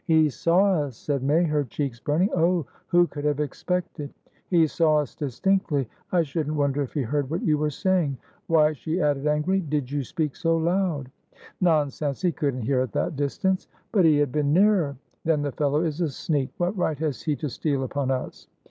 "He saw us," said May, her cheeks burning. "Oh, who could have expected! He saw us distinctly. I shouldn't wonder if he heard what you were saying. Why," she added, angrily, "did you speak so loud?" "Nonsense! He couldn't hear at that distance." "But he had been nearer." "Then the fellow is a sneak! What right has he to steal upon us?"